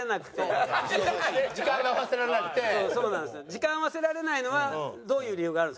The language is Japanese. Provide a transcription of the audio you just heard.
時間合わせられないのはどういう理由があるんですかね？